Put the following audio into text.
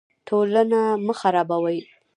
ټولنه مه خرابوئ